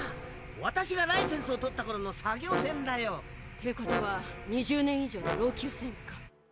私がライセンスを取ったころの作業船だよ。ってことは２０年以上の老朽船か。